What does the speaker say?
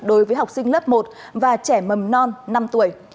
cho học sinh lớp một và trẻ mầm non năm tuổi